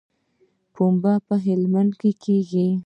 پنبه په هلمند کې کیږي